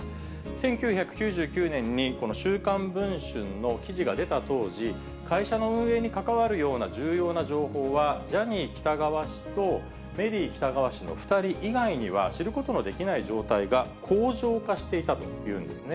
１９９９年にこの週刊文春の記事が出た当時、会社の運営に関わるような重要な情報は、ジャニー喜多川氏とメリー喜多川氏の２人以外には知ることのできない状態が恒常化していたというんですね。